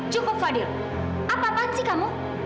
cukup fadhil apa apaan sih kamu